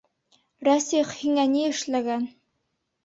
Рәсих һиңә ни эшләгән?